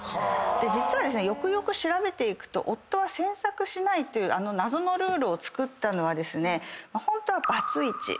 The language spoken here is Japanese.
実はよくよく調べていくと夫は詮索しないというあの謎のルールを作ったのはホントはバツイチ。